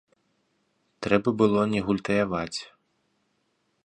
Трэба было не гультаяваць.